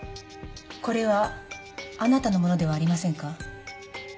これはあなたのものではありませんか？